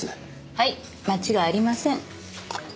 はい間違いありません。